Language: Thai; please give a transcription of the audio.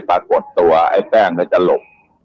ปรากฏตัวไอ้แป้งจะหลบ